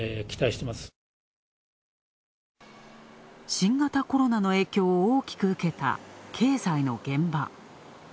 新型コロナの影響を大きく受けた経済の現場。